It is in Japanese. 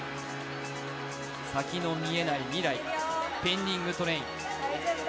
先の見えない未来、「ペンディングトレイン」。